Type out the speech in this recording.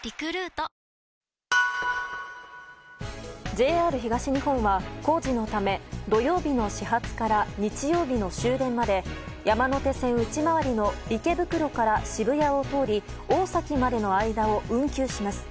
ＪＲ東日本は工事のため土曜日の始発から日曜日の終電まで山手線内回りの池袋から渋谷を通り大崎までの間を運休します。